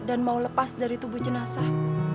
dan mau lepas dari tubuh jenasah